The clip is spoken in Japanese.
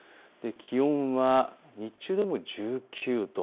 気温は日中でも１９度。